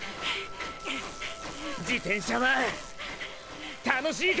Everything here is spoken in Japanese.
自転車は楽しいか？